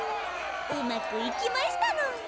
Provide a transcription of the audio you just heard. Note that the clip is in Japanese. うまくいきましたの。